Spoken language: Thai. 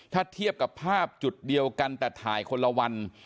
ถ้าเทียบกับภาพจุดเดียวกันแต่ถ่ายคนละวัน